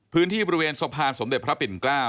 พื้นที่บริเวณสะพานสมเด็จพระปิ่นเกล้า